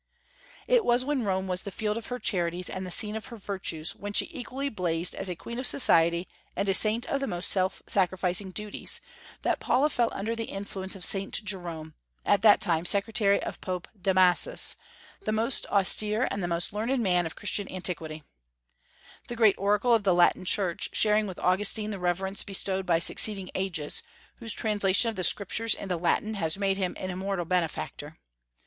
It was when Rome was the field of her charities and the scene of her virtues, when she equally blazed as a queen of society and a saint of the most self sacrificing duties, that Paula fell under the influence of Saint Jerome, at that time secretary of Pope Damasus, the most austere and the most learned man of Christian antiquity, the great oracle of the Latin Church, sharing with Augustine the reverence bestowed by succeeding ages, whose translation of the Scriptures into Latin has made him an immortal benefactor.